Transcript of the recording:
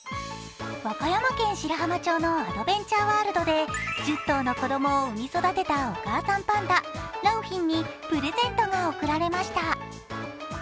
和歌山県白浜町のアドベンチャーワールドで１０頭の子供を産み育てたお母さんパンダ良浜にプレゼントが贈られました。